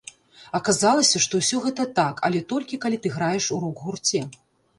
Аказалася, што ўсё гэта так, але толькі калі ты граеш у рок-гурце.